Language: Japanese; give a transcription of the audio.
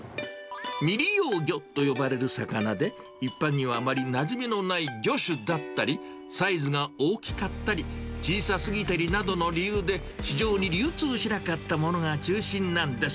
未利用魚と呼ばれる魚で、一般にはあまりなじみのない魚種だったり、サイズが大きかったり、小さすぎたりなどの理由で、市場に流通しなかったものが中心なんです。